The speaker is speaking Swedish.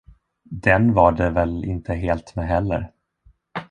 Den var det väl inte helt med heller.